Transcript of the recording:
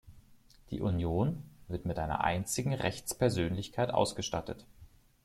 Die Union wird mit einer einzigen Rechtspersönlichkeit ausgestattet.